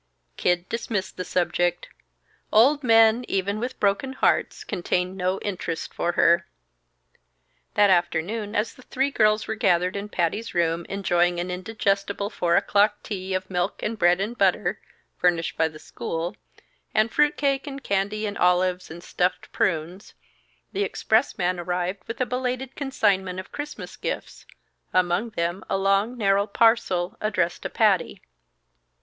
Kid dismissed the subject. Old men, even with broken hearts, contained no interest for her. That afternoon, as the three girls were gathered in Patty's room enjoying an indigestible four o'clock tea of milk and bread and butter (furnished by the school) and fruit cake and candy and olives and stuffed prunes, the expressman arrived with a belated consignment of Christmas gifts, among them a long narrow parcel addressed to Patty.